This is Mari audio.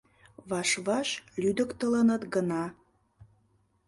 Ваш-ваш лӱдыктылыныт гына.